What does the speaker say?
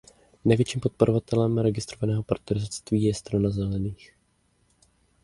Největším podporovatelem registrovaného partnerství je Strana zelených.